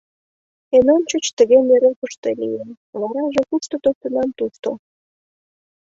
Эн ончыч тыге нӧрепыште лие, вараже – кушто тоштынам, тушто.